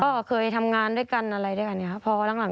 ก็เคยทำงานด้วยกันอะไรด้วยกันอย่างนี้